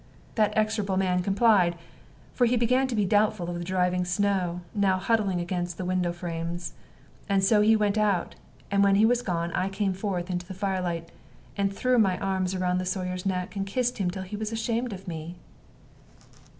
That execrable man complied, for he began to be doubtful of the driving snow, now huddling against the window frames. And so he went out; and when he was gone, I came forth into the fire light, and threw my arms round the Sawyer's neck and kissed him till he was ashamed of me.